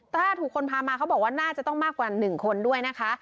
ถ้าถูกคนพามาเขาบอกว่าน่าจะต้องมากกว่า๑คนด้วยนะคะ